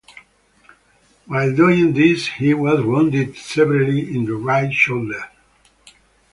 While doing this he was wounded severely in the right shoulder.